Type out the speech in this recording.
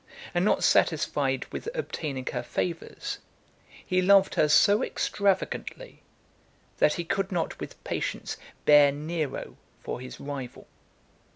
And not satisfied with obtaining her favours, he loved her so extravagantly, that he could not with patience bear Nero for his rival.